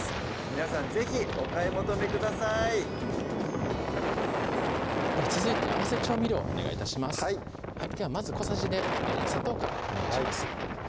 皆さん是非お買い求めくださいでは続いて合わせ調味料お願い致しますではまず小さじで砂糖からお願いします